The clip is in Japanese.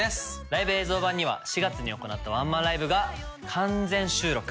ライブ映像版には４月に行ったワンマンライブが完全収録。